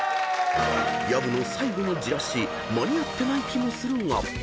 ［薮の最後のじらし間に合ってない気もするが］